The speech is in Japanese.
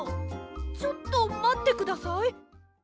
ちょっとまってください。